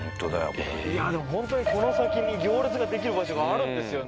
いやでもホントにこの先に行列ができる場所があるんですよね？